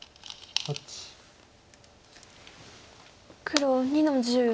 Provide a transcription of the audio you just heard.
黒２の十。